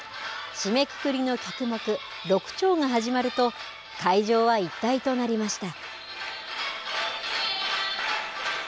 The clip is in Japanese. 締めくくりの曲目六調が始まると会場は一体となりました。